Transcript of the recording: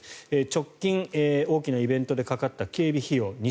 直近、大きなイベントがかかった警備費用